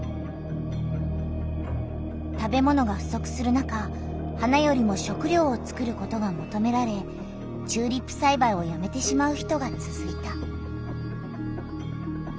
食べ物がふそくする中花よりも食りょうをつくることがもとめられチューリップさいばいをやめてしまう人がつづいた。